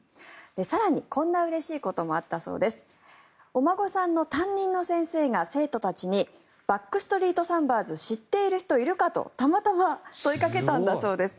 更に、こんなうれしいこともあったそうです。お孫さんの担任の先生が生徒たちにバック・ストリート・サンバーズ知っている人いるかとたまたま問いかけたんだそうです。